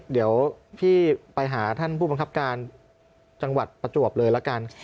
เดี๋ยวพี่ไปหาท่านผู้บังคับการจังหวัดประจวบเลยละกัน